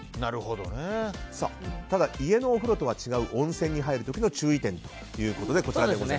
ただ家のお風呂とは違う温泉に入る時の注意点ということです。